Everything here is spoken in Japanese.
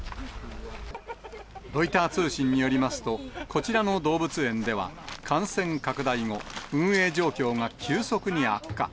ロイター通信によりますと、こちらの動物園では感染拡大後、運営状況が急速に悪化。